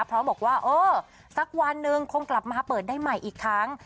พร้อมบอกว่าเออสักวันนึงคงกลับมาเปิดได้ใหม่อีกครั้ง